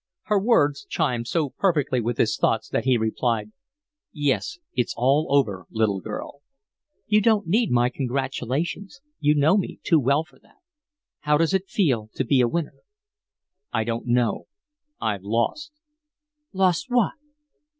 Her words chimed so perfectly with his thoughts that he replied: "Yes, it's all over, little girl." "You don't need my congratulations you know me too well for that. How does it feel to be a winner?" "I don't know. I've lost." "Lost what?"